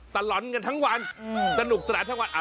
หลอนกันทั้งวันสนุกสนานทั้งวัน